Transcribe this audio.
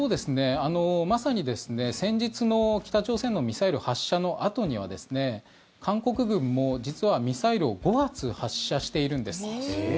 まさに、先日の北朝鮮のミサイル発射のあとには韓国軍も、実はミサイルを５発発射しているんです。